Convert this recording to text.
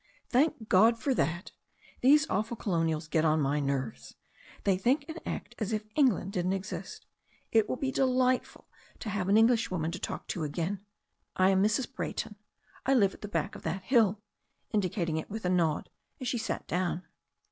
"Thank God for that. These awful colonials get on my nerves. They think and act as if England didn't exist. It will be delightful to have an Englishwoman to talk to again. I am Mrs. Brayton. I live at the back of that hill," indi cating it with a nod, as she sat down.